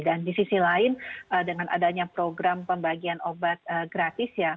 dan di sisi lain dengan adanya program pembagian obat gratis ya